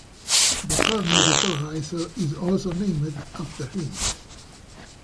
The Cornu depolarizer is also named after him.